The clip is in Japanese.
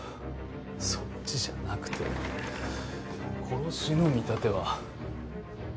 そっちじゃなくて殺しの見立ては？